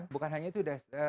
bukan hanya itu